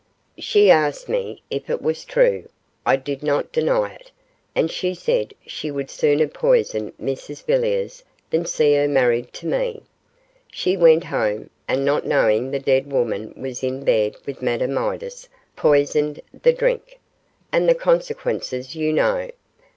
She asked me if it was true. I did not deny it; and she said she would sooner poison Mrs Villiers than see her married to me. She went home, and not knowing the dead woman was in bed with Madame Midas, poisoned the drink, and the consequences you know.